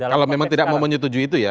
kalau memang tidak mau menyetujui itu ya